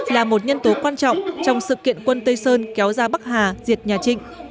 là một nhân tố quan trọng trong sự kiện quân tây sơn kéo ra bắc hà diệt nhà trịnh